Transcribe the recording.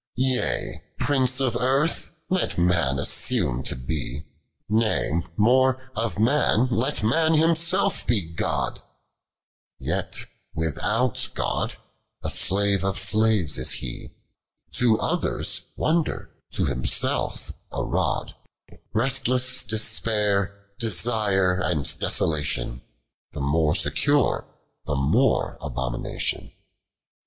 Yea, prince of Earth, let man assume to b«. Nay more, of man, let man himself be God ; Yet without God, a slave of slaves is he ; To others, wonder ; to himself, a rod ; liestless despair, desire, and desolation ; The more secure, the more abomination.